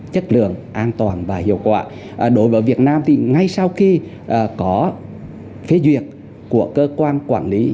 chất lượng an toàn và hiệu quả đối với việt nam thì ngay sau khi có phê duyệt của cơ quan quản lý